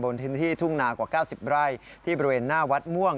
พื้นที่ทุ่งนากว่า๙๐ไร่ที่บริเวณหน้าวัดม่วง